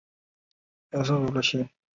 是寒士韩翃与李生之婢妾柳氏的故事。